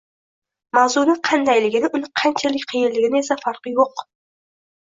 Mavzuni qandayligini, uni qanchalik qiyinligini esa farqi yo‘q.